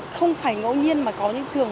không phải ngẫu nhiên mà có những trường